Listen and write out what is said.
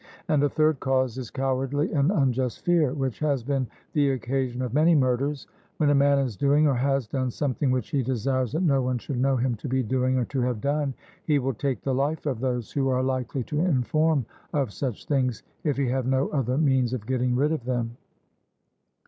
And a third cause is cowardly and unjust fear, which has been the occasion of many murders. When a man is doing or has done something which he desires that no one should know him to be doing or to have done, he will take the life of those who are likely to inform of such things, if he have no other means of getting rid of them.